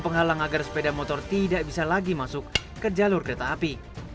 di depan sepeda motor diperlukan untuk menjalankan jalur rel keleta api